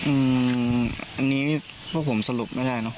อืมอันนี้พวกผมสรุปไม่ได้เนอะ